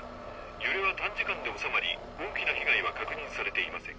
揺れは短時間で収まり大きな被害は確認されていません